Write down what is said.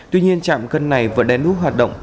tuy nhiên trạm cân này vừa đen núp hoạt động